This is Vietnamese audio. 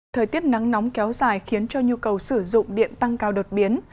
thời tiết nắng nóng kéo dài khiến cho nhu cầu sử dụng điện tăng cao đột biến